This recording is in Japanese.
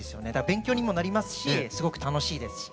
勉強にもなりますしすごく楽しいですし。